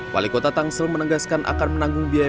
wali kota tangsel menegaskan akan menanggung biaya